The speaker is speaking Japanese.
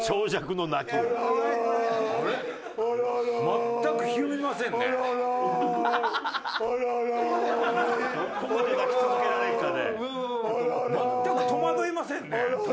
全く戸惑いませんね。